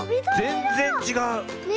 ぜんぜんちがう。ね！